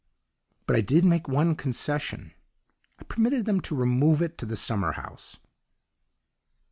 "But I did make one concession: I permitted them to remove it to the summer house.